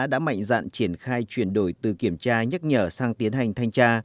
đã mạnh dạn triển khai chuyển đổi từ kiểm tra nhắc nhở sang tiến hành thanh tra